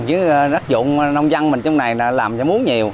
những rắc rụng nông dân mình trong này làm giảm uống nhiều